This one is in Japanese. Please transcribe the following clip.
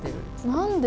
何で？